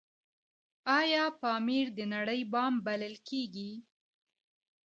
آیا پامیر د نړۍ بام بلل کیږي؟